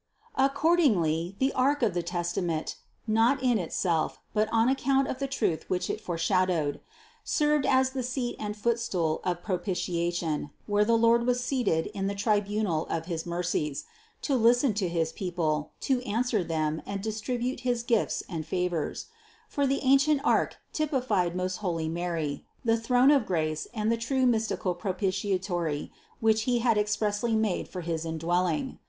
415. Accordingly the ark of the testament (not in it self, but on account of the truth which it foreshadowed) served as the seat and foot stool of propitiation, where the Lord was seated in the tribunal of his mercies, to lis ten to his people, to answer them and distribute his gifts and favors ; for the ancient ark typified most holy Mary, the throne of grace and the true mystical propitiatory THE CONCEPTION 327 which He had expressly made for his indwelling.